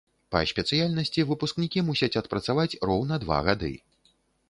Па спецыяльнасці выпускнікі мусяць адпрацаваць роўна два гады.